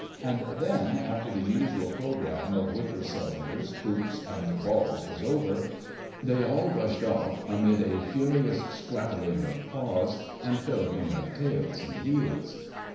And then, after the usual programme of wicker cylinders, hoops, and balls was over, they all rushed off amid a furious scrattling of paws and filliping of tails and heels.